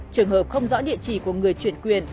trường hợp không rõ địa chỉ của người chuyển quyền